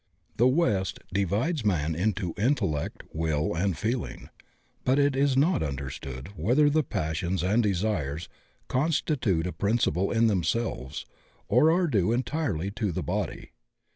The west divides man into intellect, will, and feeling, but it is not understood whether the passions and desires con stitute a principle in themselves or are due entirely to the body.